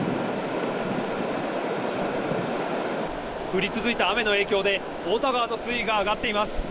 降り続いた雨の影響で太田川の水位が上がっています。